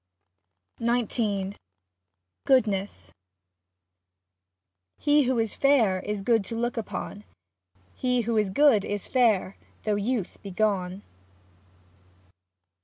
34 XIX GOODNESS He who is fair is good to look upon ; He who is good is fair, though youth be gone.